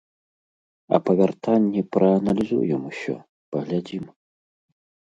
А па вяртанні прааналізуем усё, паглядзім.